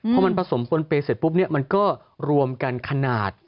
พอมันผสมปนเปย์เสร็จปุ๊บเนี่ยมันก็รวมกันขนาด